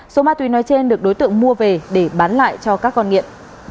số ma túy nói trên được đối tượng mua về để bán lại cho các con nghiện